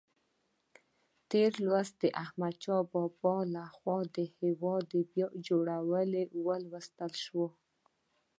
تېر لوست د احمدشاه بابا لخوا د هېواد بیا جوړول ولوستل شول.